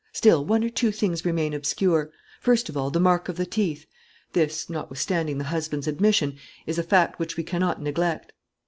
Still, one or two things remain obscure. First of all, the mark of the teeth. This, notwithstanding the husband's admission, is a fact which we cannot neglect."